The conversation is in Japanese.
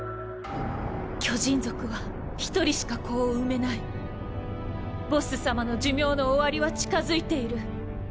巨人族は一人しか子を産めないボッス様の寿命の終わりは近づいている